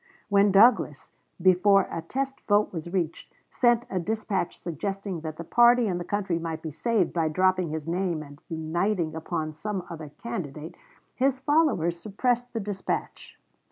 When Douglas, before a test vote was reached, sent a dispatch suggesting that the party and the country might be saved by dropping his name and uniting upon some other candidate, his followers suppressed the dispatch.